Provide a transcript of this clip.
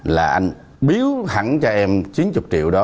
là anh biếu hẳn cho em chín mươi triệu đó